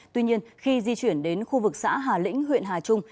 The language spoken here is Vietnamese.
tuy nhiên khi di chuyển đến khu vực xã hà lĩnh huyện hà trung